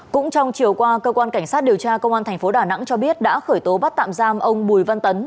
cũng trong chiều qua cơ quan cảnh sát điều tra công an tp đà nẵng cho biết đã khởi tố bắt tạm giam ông bùi văn tấn